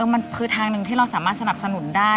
มันคือทางหนึ่งที่เราสามารถสนับสนุนได้